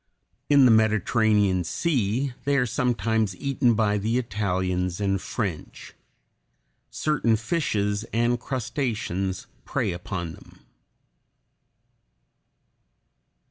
In the Mediterranean Sea they are sometimes eaten by the Italians and French. Certain fishes and crustaceans prey upon them.